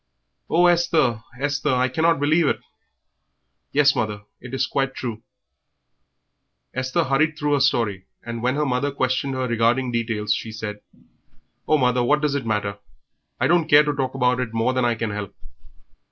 "Oh, Esther, Esther, I cannot believe it!" "Yes, mother, it is quite true." Esther hurried through her story, and when her mother questioned her regarding details she said "Oh, mother, what does it matter? I don't care to talk about it more than I can help."